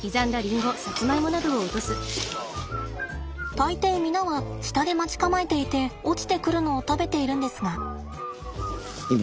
大抵皆は下で待ち構えていて落ちてくるのを食べているんですが。